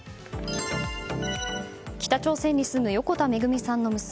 北朝鮮に住む横田めぐみさんの娘